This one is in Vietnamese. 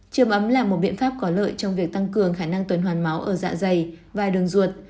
trường ấm là một biện pháp có lợi trong việc tăng cường khả năng tuần hoàn máu ở dạ dày và đường ruột